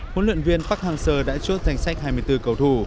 huấn luyện viên park hang seo đã chốt thành sách hai mươi bốn cầu thủ